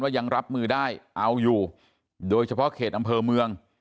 ยังรับมือได้เอาอยู่โดยเฉพาะเขตอำเภอเมือง